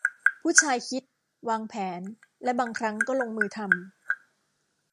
ผู้ชายคิด วางแผนและบางครั้งก็ลงมือทำ